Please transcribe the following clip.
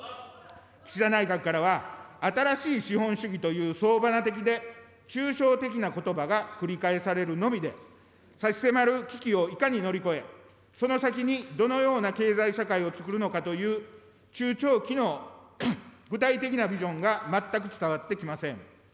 岸田内閣からは、新しい資本主義という総花的で抽象的なことばが繰り返されるのみで、差し迫る危機をいかに乗り越え、その先にどのような経済社会をつくるのかという中長期の具体的なビジョンが全く伝わってきません。